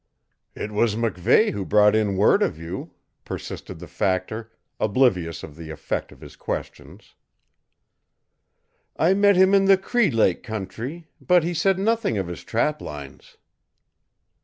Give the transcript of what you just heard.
"It was MacVeigh who brought in word of you," persisted the factor, oblivious of the effect of his questions. "I met him in the Cree Lake country, but he said nothing of his trap lines."